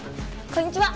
こんにちは。